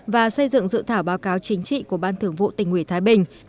và xây dựng dự thảo báo cáo chính trị của ban thường vụ tỉnh ủy thái bình